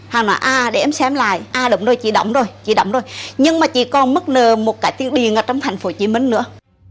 hàng nói à để em xem lại à đọng rồi chị đọng rồi chị đọng rồi nhưng mà chị còn mất nửa một cái tiếng điện ở trong thành phố hồ chí minh nữa